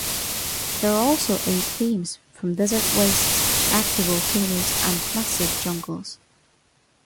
There are also eight themes, from desert wastes to active volcanoes and massive jungles.